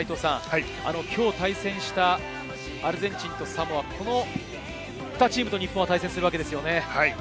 きょう対戦したアルゼンチンとサモア、２チームと日本は対戦するわけですよね。